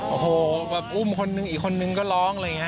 โอ้โหแบบอุ้มคนนึงอีกคนนึงก็ร้องอะไรอย่างนี้